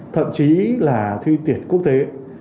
thậm chí là thi tiệt quốc tế